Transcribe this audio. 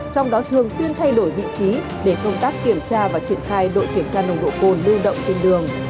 trong đó thường xuyên thay đổi vị trí để công tác kiểm tra và triển khai đội kiểm tra nồng độ cồn lưu động trên đường